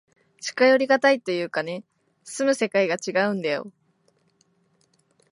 近寄りがたいというかね、住む世界がちがうんだよ。